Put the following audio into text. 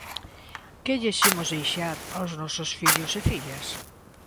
¿Que lles imos deixar aos nosos fillos e fillas?